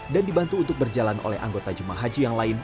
dan dibantu untuk berjalan oleh anggota jemaah haji yang lain